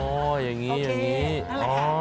โอ้โฮอย่างนี้อย่างนี้อ๋อโอเคนั่นแหละครับ